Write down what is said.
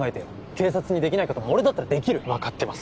警察にできないことも俺だったらできる分かってます